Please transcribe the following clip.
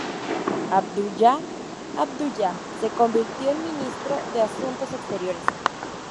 Abdullah Abdullah se convirtió en ministro de asuntos exteriores.